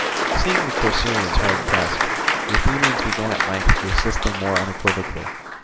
Seeing the Corcyraeans hard pressed, the Athenians began at length to assist them more unequivocally.